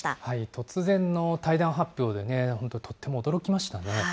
突然の退団発表でね、本当、とっても驚きましたね。